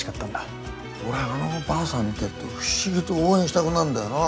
俺はあのばあさん見てると不思議と応援したくなるんだよな。